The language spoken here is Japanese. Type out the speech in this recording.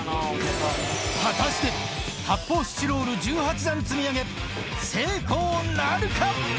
果たして、発泡スチロール１８段積み上げ、成功なるか？